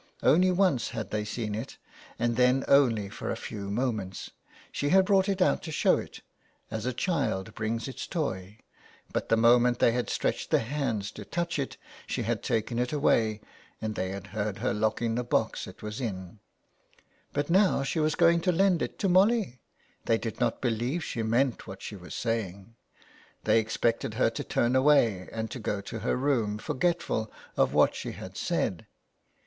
Only once had they seen it, and then only for a few moments. She had brought it out to show it, as a child brings its toy, but the moment they stretched their hands to touch it she had taken it away, and they had heard her locking the box it was in. But now she was going to lend it to Molly. They did not believe she meant what she was saying. They expected her to turn away and to go to her room, forgetful of what she had said.